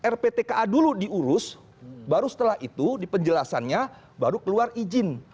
rptka dulu diurus baru setelah itu di penjelasannya baru keluar izin